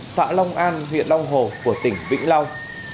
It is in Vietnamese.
xã long an huyện long hồ của tỉnh vĩnh long